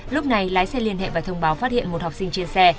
lúc này lái xe liên hệ và thông báo phát hiện một học sinh trên xe